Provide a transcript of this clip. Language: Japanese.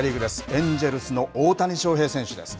エンジェルスの大谷翔平選手です。